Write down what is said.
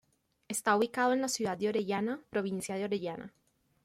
Está ubicado en la ciudad de Orellana, provincia de Orellana.